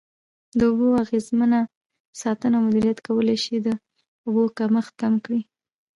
د اوبو اغیزمنه ساتنه او مدیریت کولای شي د اوبو کمښت کم کړي.